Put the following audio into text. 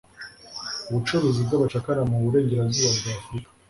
ubucuruzi bw'abacakara mu Burengerazuba bw'Afurika.